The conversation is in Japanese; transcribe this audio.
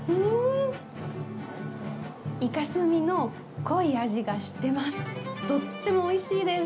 イカ墨の濃い味がしてます。